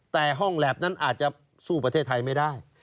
แต่ห้องแล็บนั้นอาจจะสู้ประเทศไทยไม่ได้